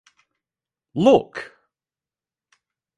Look!